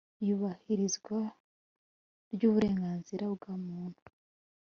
Iyubahirizwa ry uburenganzira bwa muntu